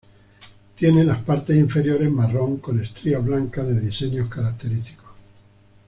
Tiene las partes inferiores marrón con estrías blancas de diseños característicos.